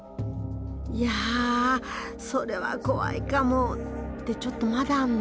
いやそれは怖いかも。ってちょっとまだあんの？